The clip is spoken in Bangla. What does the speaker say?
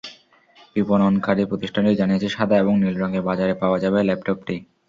বিপণনকারী প্রতিষ্ঠানটি জানিয়েছে, সাদা এবং নীল রঙে বাজারে পাওয়া যাবে ল্যাপটপটি।